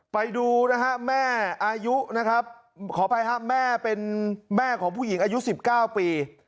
ไปดูนะฮะแม่อายุนะครับขออภัยครับแม่เป็นแม่ของผู้หญิงอายุ๑๙ปี